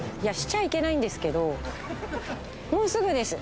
もうすぐです。